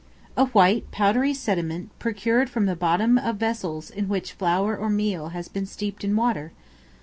A white, powdery sediment procured from the bottom of vessels in which flour or meal has been steeped in water.